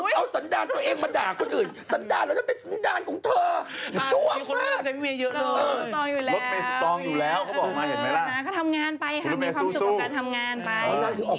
คุณเอาสันดาลตัวเองมาด่าคนอื่น